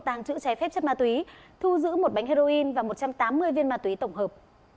tàng trữ trái phép chất ma túy thu giữ một bánh heroin và một trăm tám mươi viên ma túy tổng hợp